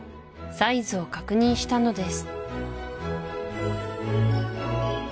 サイズを確認したのです